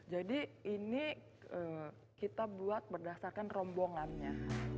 ini kita buat berdasarkan rombongannya